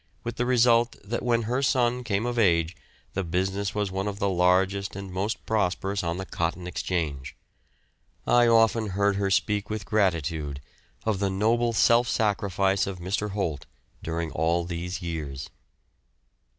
with the result that when her son came of age the business was one of the largest and most prosperous on the Cotton Exchange. I often heard her speak with gratitude of the noble self sacrifice of Mr. Holt during all these years.